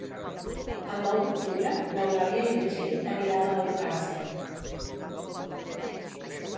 El nou d'octubre n'Eulàlia i na Txell aniran a Albocàsser.